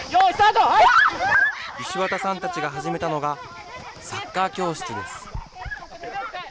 石渡さんたちが始めたのが、サッカー教室です。